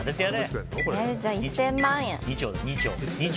じゃあ１０００万円。